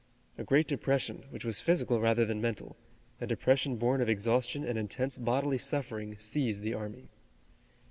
A great depression, which was physical rather than mental, a depression born of exhaustion and intense bodily suffering, seized the army.